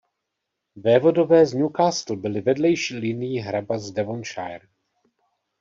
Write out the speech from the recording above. Vévodové z Newcastle byli vedlejší linií hrabat z Devonshire.